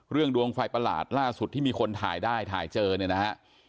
ดวงไฟประหลาดล่าสุดที่มีคนถ่ายได้ถ่ายเจอเนี่ยนะฮะ